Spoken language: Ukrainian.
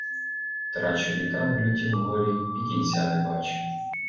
Трачу літа в лютім горі і кінця не бачу